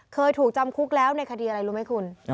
เคยถูกจำคุกแล้วในคดีอะไรรู้ไหมคุณ